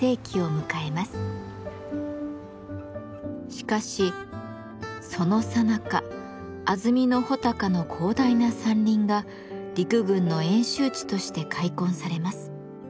しかしそのさなか安曇野穂高の広大な山林が陸軍の演習地として開墾されます。